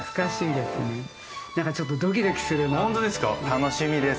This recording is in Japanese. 楽しみです。